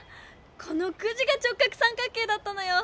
このクジが直角三角形だったのよ。